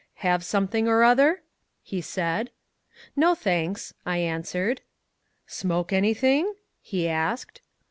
"Have something or other?" he said. "No, thanks," I answered. "Smoke anything?" he asked.